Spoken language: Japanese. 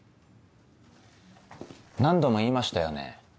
何度も言いましたよね。